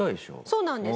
そうなんです。